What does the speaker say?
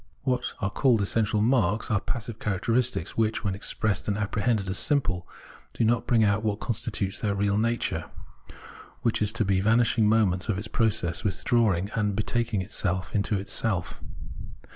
What are called essential marks, are passive characteristics, which, when expressed and apprehended as simple, do not bring out what constitutes their real nature — which is to be vanishing moments of its process of withdrawing and betaking itself into itself.